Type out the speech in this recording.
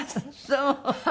そう？